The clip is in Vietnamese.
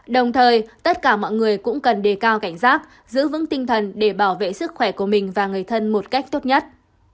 đồng thời tất cả mọi người cũng cần đề cao cảnh giác giữ vững tinh thần để bảo vệ sức khỏe của mình và người thân một cách tốt nhất